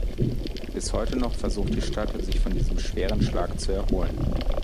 Bis heute noch versucht die Stadt, sich von diesem schweren Schlag zu erholen.